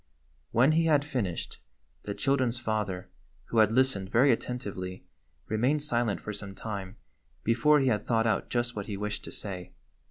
When he had finished, the children's father, who had listened very attentively, remained silent for some time before he had thought out just what he wished to say.